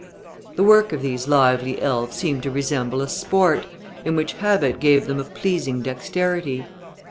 The work of these lively elves seemed to resemble a sport, in which habit gave them a pleasing dexterity.